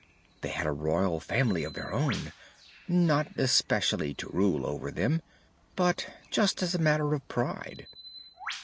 They had a royal family of their own not especially to rule over them, but just as a matter of pride.